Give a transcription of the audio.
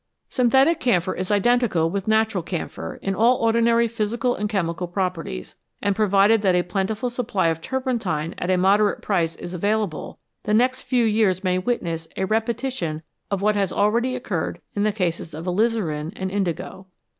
Synthetic camphor is identical 256 HOW MAN COMPETES WITH NATURE with natural camphor in all ordinary physical and chemical properties, and provided that a plentiful supply of turpentine at a moderate price is available, the next few years may witness a repetition of what has already occurred in the cases of alizarin and indigo.